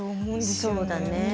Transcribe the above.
そうだね。